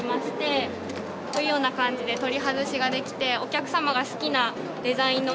こういうような感じで取り外しができてお客様が。